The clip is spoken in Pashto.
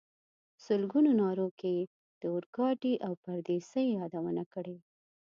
په سلګونو نارو کې یې د اورګاډي او پردیسۍ یادونه کړې.